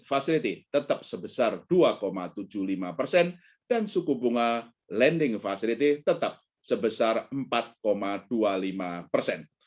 facility tetap sebesar dua tujuh puluh lima persen dan suku bunga lending facility tetap sebesar empat dua puluh lima persen